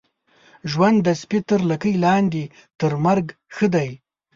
ژوند د سپي تر لکۍ لاندي ، تر مرګ ښه دی.